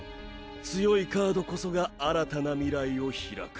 強いカードこそが新たな未来をひらく。